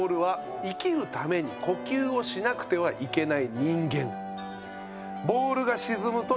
「生きるために呼吸をしなくてはいけない」。